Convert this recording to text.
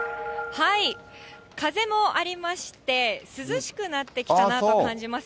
風もありまして、涼しくなってきたなと感じます。